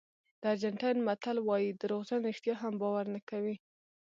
د ارجنټاین متل وایي دروغجن رښتیا هم باور نه کوي.